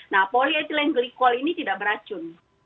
nah polietilen glikol ini tidak beracun